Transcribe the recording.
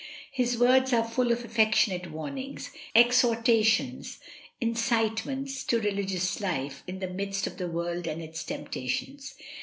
His words are full of affectionate warnings, exhorta tions, incitements to religious life in the midst of the world and its temptations.